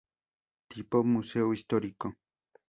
Tipo: Museo Histórico.